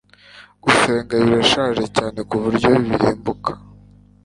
Gusenga birashaje cyane kuburyo birimbuka